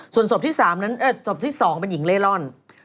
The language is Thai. ส่วนศพที่๒เป็นหญิงเล่อร่อน